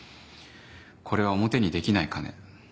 これは表にできない金。